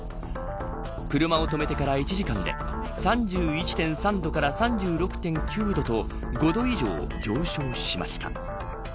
車を止めてから１時間で３１．３度から３６．９度と５度以上、上昇しました。